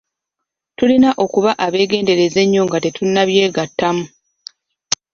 Tulina okuba abeegendereza ennyo nga tetunnabyegattamu